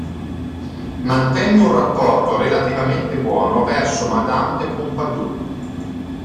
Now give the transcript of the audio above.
Mantenne un rapporto relativamente buono verso Madame de Pompadour.